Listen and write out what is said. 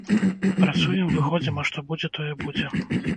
Працуем, выходзім, а што будзе, тое будзе.